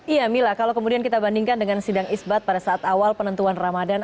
iya mila kalau kemudian kita bandingkan dengan sidang isbat pada saat awal penentuan ramadan